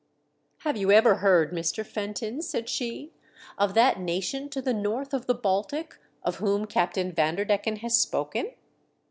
" Have you ever heard, Mr. Fenton," said she, "of that nation to the north of the Baltic of whom Captain Vanderdecken has spoken